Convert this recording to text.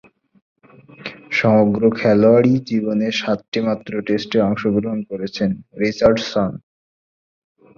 সমগ্র খেলোয়াড়ী জীবনে সাতটিমাত্র টেস্টে অংশগ্রহণ করেছেন রিচার্ড ডসন।